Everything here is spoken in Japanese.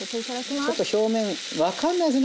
ちょっと表面分かんないっすよね